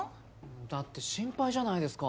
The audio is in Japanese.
だって心配じゃないですか。